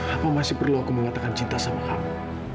apa masih perlu aku mengatakan cinta sama kamu